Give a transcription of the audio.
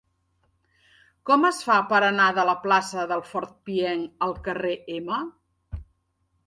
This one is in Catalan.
Com es fa per anar de la plaça del Fort Pienc al carrer M?